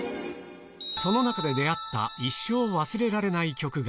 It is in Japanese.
その中で出会った一生忘れられない曲が。